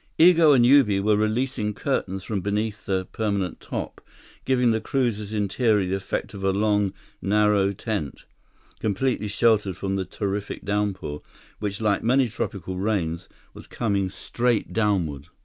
Igo and Ubi were releasing curtains from beneath the permanent top, giving the cruiser's interior the effect of a long, narrow tent, completely sheltered from the terrific downpour, which like many tropical rains, was coming straight downward.